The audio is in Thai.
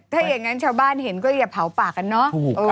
ถ้าอย่างนั้นชาวบ้านเห็นก็อย่าเผาปากกันเนาะ